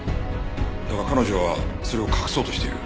だが彼女はそれを隠そうとしている。